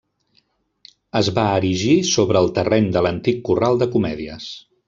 Es va erigir sobre el terreny de l'antic corral de comèdies.